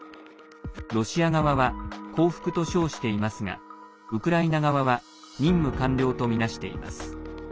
ロシア側は降伏と称していますがウクライナ側は任務完了とみなしています。